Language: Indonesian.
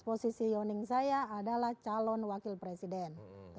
positioning saya adalah calon wakil presiden